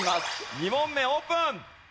２問目オープン！